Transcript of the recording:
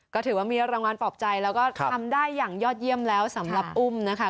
ก็ถือว่ามีรางวัลปลอบใจแล้วก็ทำได้อย่างยอดเยี่ยมแล้วสำหรับอุ้มนะคะ